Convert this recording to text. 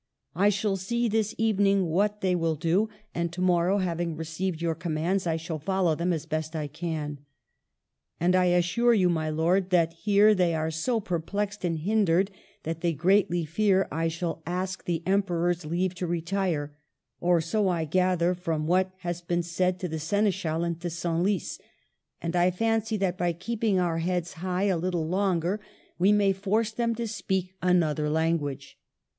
I shall see, this evening, what they will do ; and to morrow, having received your commands, I shall follow them as best I can. And I assure you, my lord, that here they are so perplexed and hindered that they greatly fear I shall ask the Emperor's leave to retire, — or so I gather from what has been said to the seneschal and to Senliz, — and I fancy that by keeping our heads high a little longer we 100 MARGARET OF ANGOUL^ME. may force them to speak another language.